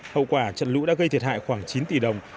hậu quả trận lũ đã gây thiệt hại khoảng chín tỷ đồng